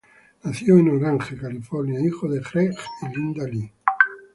Nació en Orange, California, hijo de Greg y Linda Lee.